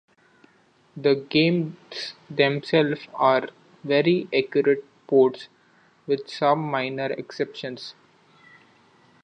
The games themselves are very accurate ports, with some minor exceptions.